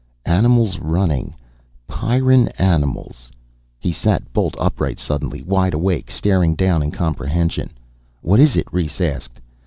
Animals running, Pyrran animals. He sat bolt upright suddenly, wide awake, staring down in comprehension. "What is it?" Rhes asked.